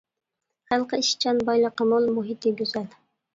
خەلقى ئىشچان، بايلىقى مول، مۇھىتى گۈزەل.